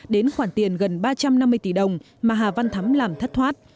đến khoản tiền gần ba trăm năm mươi tỷ đồng mà hà văn thắm làm thất thoát